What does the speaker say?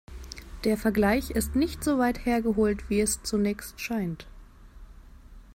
Der Vergleich ist nicht so weit hergeholt, wie es zunächst scheint.